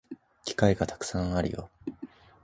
機会がたくさんあるよ